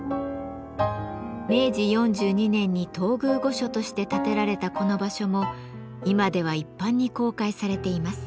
明治４２年に東宮御所として建てられたこの場所も今では一般に公開されています。